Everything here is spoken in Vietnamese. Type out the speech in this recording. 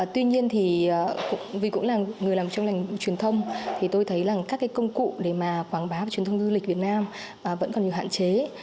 tuy nhiên vì cũng là người làm trong ngành truyền thông tôi thấy các công cụ để quảng bá truyền thông du lịch việt nam vẫn còn nhiều hạn chế